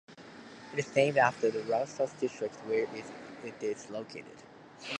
It is named after the Rasos district where it is located.